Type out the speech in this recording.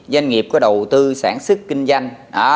doanh nghiệp có đầu tư sản xuất kinh doanh